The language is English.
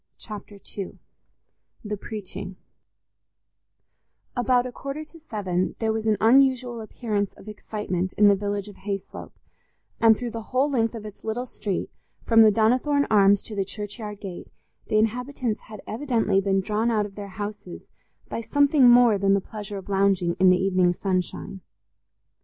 Chapter II The Preaching About a quarter to seven there was an unusual appearance of excitement in the village of Hayslope, and through the whole length of its little street, from the Donnithorne Arms to the churchyard gate, the inhabitants had evidently been drawn out of their houses by something more than the pleasure of lounging in the evening sunshine.